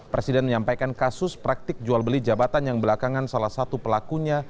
presiden menyampaikan kasus praktik jual beli jabatan yang belakangan salah satu pelakunya